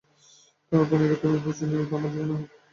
তোমার প্রাণীকে তুমি বুঝে নিয়ো, আমার জন্যে তোমার ভাবতে হবে না।